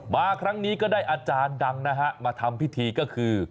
มาครั้งนี้ก็ได้อาจารย์ดังนะฮะมาทำพิธีก็คือ